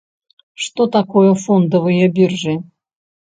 Што такое фондавыя біржы?